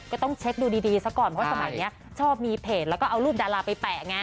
ก็ต้องเช็คดูดีซะก่อนเพราะสมัยนี้ชอบมีเพจแล้วก็เอารูปดาราไปแปะไง